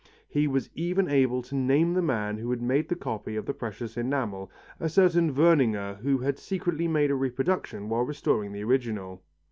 He was even able to name the man who had made the copy of the precious enamel, a certain Werninger who had secretly made a reproduction while restoring the original.